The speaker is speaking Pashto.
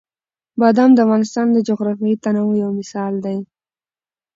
بادام د افغانستان د جغرافیوي تنوع یو مثال دی.